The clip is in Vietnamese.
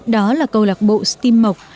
đó là câu lạc bộ steam mộc